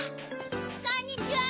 こんにちは！